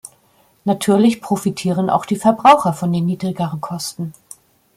Natürlich profitieren auch die Verbraucher von den niedrigeren Kosten.